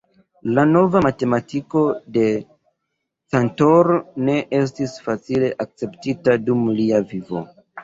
La nova matematiko de Cantor ne estis facile akceptita dum lia vivo.